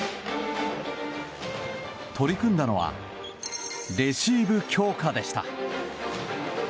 取り組んだのはレシーブ強化でした。